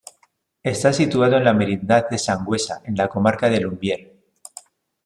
Está situado en la Merindad de Sangüesa, en la Comarca de Lumbier.